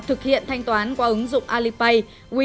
thực hiện thanh toán qua ứng dụng alipay